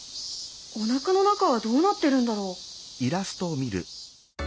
おなかの中はどうなってるんだろう？